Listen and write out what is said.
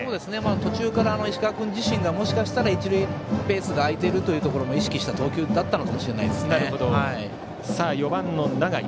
途中から石川君自身がもしかしたら一塁ベースが空いてるというところも意識した投球だったかもバッター、４番の永井。